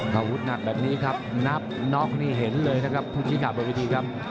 อาวุธหนักแบบนี้ครับนับน็อกนี่เห็นเลยนะครับผู้ชี้ขาดบนวิธีครับ